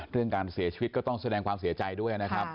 เรื่องการเสียชีวิตก็ต้องแสดงความเสียใจด้วยนะครับ